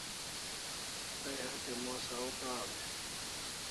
Tay hatya mos au kam e?